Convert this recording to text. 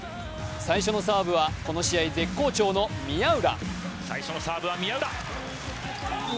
最初のサーブはこの試合絶好調の宮浦。